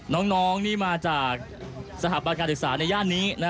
น้องน้องนี่มาจากสถาปักษณ์การศึกษาในย่านนี้นะฮะ